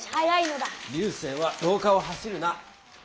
流星はろうかを走るな。